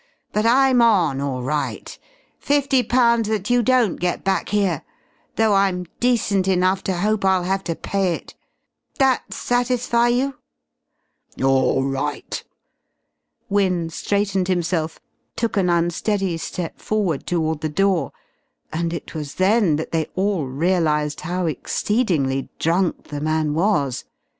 But I'm on, all right. Fifty pounds that you don't get back here though I'm decent enough to hope I'll have to pay it. That satisfy you?" "All right." Wynne straightened himself, took an unsteady step forward toward the door, and it was then that they all realized how exceedingly drunk the man was.